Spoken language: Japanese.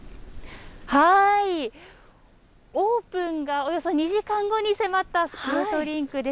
オープンがおよそ２時間後に迫ったスケートリンクです。